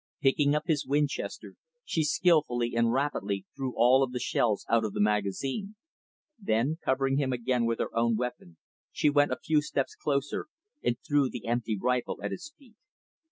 Picking up his Winchester, she skillfully and rapidly threw all of the shells out of the magazine. Then, covering him again with her own weapon, she went a few steps closer and threw the empty rifle at his feet.